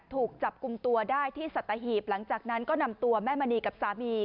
ถูกจับกลุ่มตัวได้ที่สัตหีบหลังจากนั้นก็นำตัวแม่มณีกับสามี